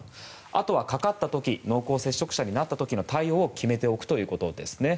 あとはかかった時濃厚接触者になった時の決めておくということです。